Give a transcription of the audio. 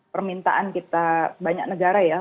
permintaan kita banyak negara ya